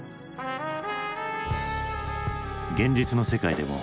現実の世界でも。